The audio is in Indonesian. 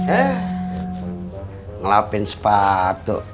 eh ngelapin sepatu